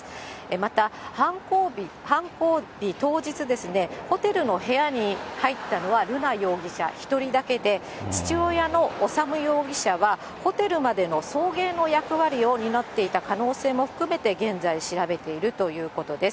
また、犯行日当日ですね、ホテルの部屋に入ったのは瑠奈容疑者１人だけで、父親の修容疑者はホテルまでの送迎の役割を担っていた可能性も含めて、現在調べているということです。